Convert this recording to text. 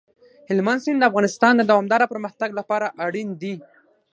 هلمند سیند د افغانستان د دوامداره پرمختګ لپاره اړین دي.